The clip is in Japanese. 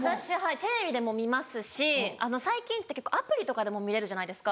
テレビでも見ますし最近って結構アプリとかでも見れるじゃないですか。